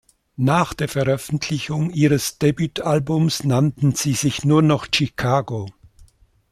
Nach der Veröffentlichung ihres Debütalbums nannten sie sich nur noch "Chicago".